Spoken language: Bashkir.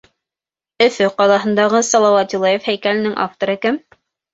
Өфө ҡалаһындағы Салауат Юлаев һәйкәленең авторы кем?